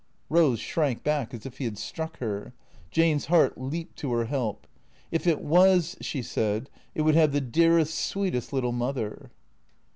Eose shrank back as if he had struck her. Jane's heart leaped to her help. " If it was," she said, " it would have the dearest, sweetest lit tle mother."